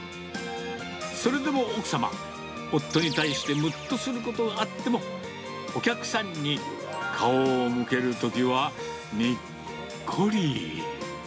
それでも奥様、夫に対してむっとすることはあっても、お客さんに顔を向けるときは、にっこり。